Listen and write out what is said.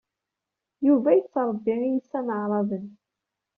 Yuba yettṛebbi iysan aɛṛaben.